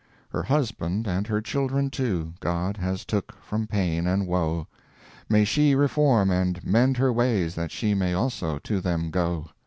Her husband and her children, too, God has took from pain and woe. May she reform and mend her ways, That she may also to them go.